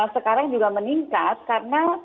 sekarang juga meningkat karena